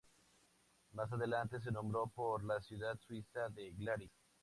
Más adelante se nombró por la ciudad suiza de Glaris.